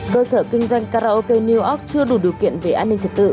cơ sở kinh doanh karaoke new orp chưa đủ điều kiện về an ninh trật tự